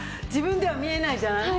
自分では見えないじゃん。